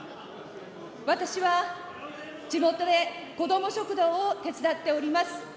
私は地元でこども食堂を手伝っております。